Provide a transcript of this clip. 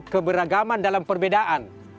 keberagaman dalam perbedaan